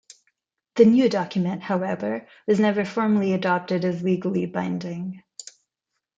The new document, however, was never formally adopted as legally binding.